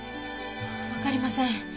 分かりません。